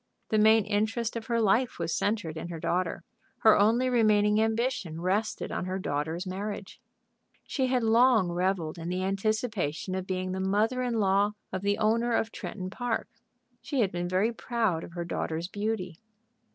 The main interest of her life was centred in her daughter. Her only remaining ambition rested on her daughter's marriage. She had long revelled in the anticipation of being the mother in law of the owner of Tretton Park. She had been very proud of her daughter's beauty.